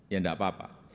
ya enggak apa apa